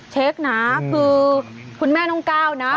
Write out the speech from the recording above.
เช็คนะคือคุณแม่น้องก้าวนะ